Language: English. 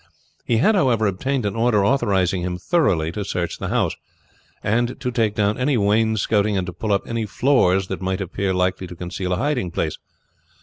He had, however, obtained an order authorizing him thoroughly to search the house, and to take down any wainscotting, and to pull up any floors that might appear likely to conceal a hiding place.